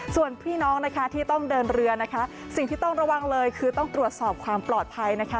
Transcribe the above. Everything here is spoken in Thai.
ส่วนพี่น้องนะคะที่ต้องเดินเรือนะคะสิ่งที่ต้องระวังเลยคือต้องตรวจสอบความปลอดภัยนะคะ